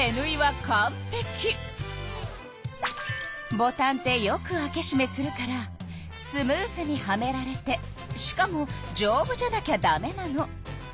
ボタンってよく開けしめするからスムーズにはめられてしかもじょうぶじゃなきゃダメなの。